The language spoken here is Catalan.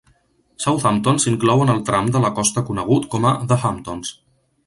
Southampton s'inclou en el tram de la costa conegut com a The Hamptons.